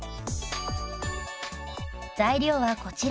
材料はこちら。